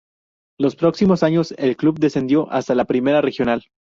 Los próximos años, el club descendió hasta la Primera Regional.